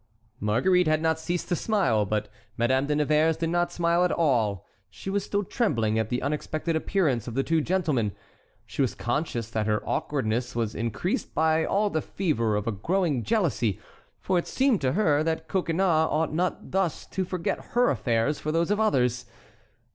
Marguerite had not ceased to smile, but Madame de Nevers did not smile at all; she was still trembling at the unexpected appearance of the two gentlemen. She was conscious that her awkwardness was increased by all the fever of a growing jealousy, for it seemed to her that Coconnas ought not thus to forget her affairs for those of others.